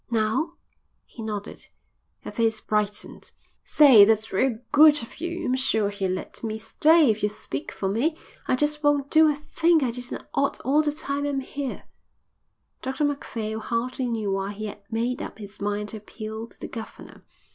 "Now?" He nodded. Her face brightened. "Say, that's real good of you. I'm sure he'll let me stay if you speak for me. I just won't do a thing I didn't ought all the time I'm here." Dr Macphail hardly knew why he had made up his mind to appeal to the governor.